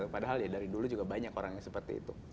padahal ya dari dulu juga banyak orang yang seperti itu